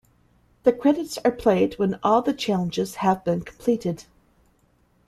The credits are played when all the challenges have been completed.